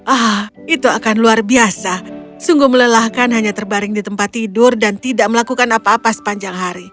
ah itu akan luar biasa sungguh melelahkan hanya terbaring di tempat tidur dan tidak melakukan apa apa sepanjang hari